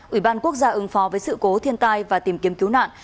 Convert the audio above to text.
ủy ban quốc gia ứng phó với sự cố thiên tai và tìm kiếm cứu nạn